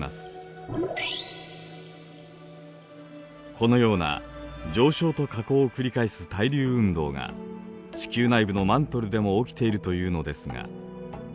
このような上昇と下降を繰り返す対流運動が地球内部のマントルでも起きているというのですが。